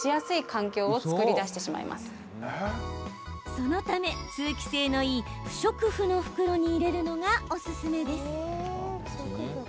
そのため、通気性のいい不織布の袋に入れるのがおすすめです。